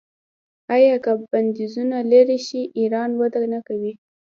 آیا که بندیزونه لرې شي ایران وده نه کوي؟